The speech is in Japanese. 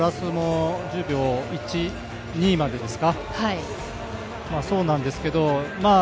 プラスも１０秒１、２までですか？